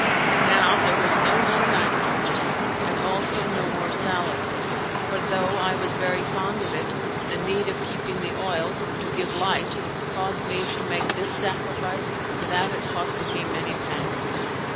Now there was no more night for me, and also no more salad, for though I was very fond of it the need of keeping the oil to give light caused me to make this sacrifice without it costing me many pangs.